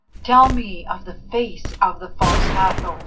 "Tell me of the face of the False Hathor?"